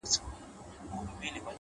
o کور مي ورانېدی ورته کتله مي،